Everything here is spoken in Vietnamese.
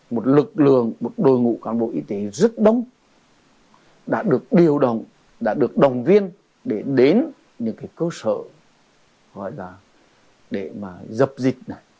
một lực lượng một đội ngũ cán bộ y tế rất đông đã được điều động đã được đồng viên để đến những cơ sở gọi là để mà dập dịch